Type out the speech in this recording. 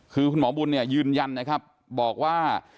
คือคุณหมอบุญเนี่ยยืนยันนะครับบอกว่า